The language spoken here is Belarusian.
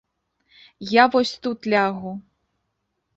Я вось тут лягу.